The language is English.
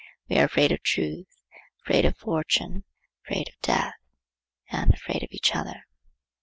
We are afraid of truth, afraid of fortune, afraid of death and afraid of each other.